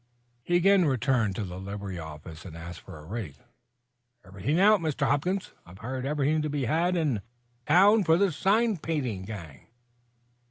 He again returned to the livery office and asked for a rig. "Everything out, Mr. Hopkins. I've hired everything to be had in town for this sign painting gang."